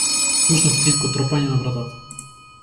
Слушнав тивко тропање на вратата.